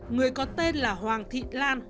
người có tên là hoàng thị lan